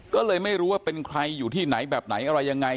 ก็เลยไม่รู้ว่าเป็นใครอยู่ที่ไหนแบบไหนอะไรยังไง